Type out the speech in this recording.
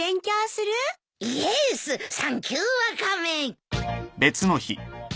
イエースサンキューワカメ。